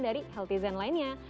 dari healthy zen lainnya